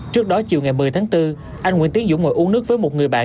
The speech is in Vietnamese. trước đó chiều ngày một mươi tháng bốn anh nguyễn tiến dũng ngồi uống nước với một người bạn